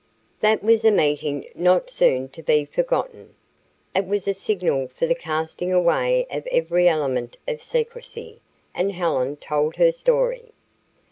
That was a meeting not soon to be forgotten. It was a signal for the casting away of every element of secrecy, and Helen told her story.